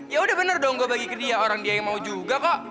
ya udah bener dong gue bagi ke dia orang dia yang mau juga kok